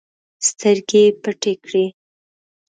سترګې يې پټې کړې.